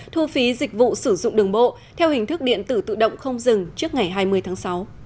thu phí dịch vụ sử dụng đường bộ theo hình thức điện tử tự động không dừng trước ngày hai mươi tháng sáu